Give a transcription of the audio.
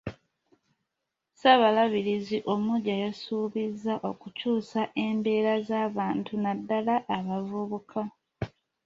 Ssaabalabirizi omuggya yasuubizza okukyusa embeera z’abantu naddala abavubuka.